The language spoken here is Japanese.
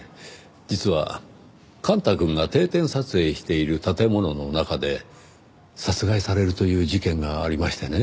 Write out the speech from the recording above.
実は幹太くんが定点撮影している建物の中で殺害されるという事件がありましてね。